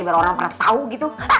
biar orang pernah tahu gitu